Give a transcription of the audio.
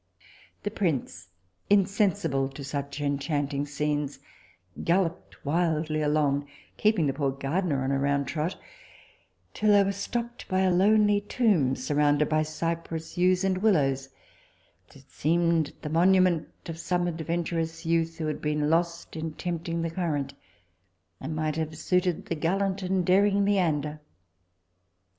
The prince, insensible to such enchanting scenes, galloped wildly along, keeping the poor gardiner on a round trot, till they were stopped by a lonely tomb, surrounded by cypress, yews, and willows, that seemed the monument of some adventurous youth who had been lost in tempting the current, and might have suited the gallant and daring Leander.